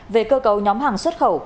về cơ cầu nhóm hàng xuất khẩu